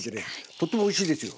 とってもおいしいですよ。